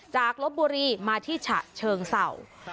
จากรถบุรีมาที่ฉะเชิงเสาร์